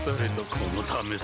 このためさ